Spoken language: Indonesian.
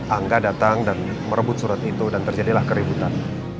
angga datang dan merebut surat itu dan terjadilah keributan